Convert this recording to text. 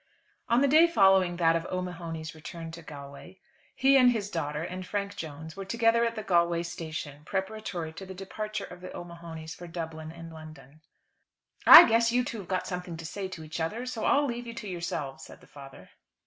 On the day following that of O'Mahony's return to Galway, he, and his daughter, and Frank Jones were together at the Galway Station preparatory to the departure of the O'Mahonys for Dublin and London. "I guess you two have got something to say to each other, so I'll leave you to yourselves," said the father.